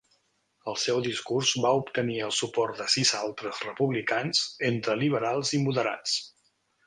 El seu discurs va obtenir el suport de sis altres republicans entre liberals i moderats.